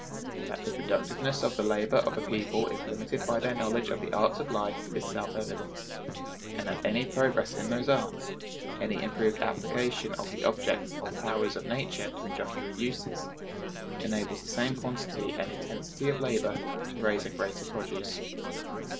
That the productiveness of the labor of a people is limited by their knowledge of the arts of life is self evident, and that any progress in those arts, any improved application of the objects or powers of nature to industrial uses, enables the same quantity and intensity of labor to raise a greater produce.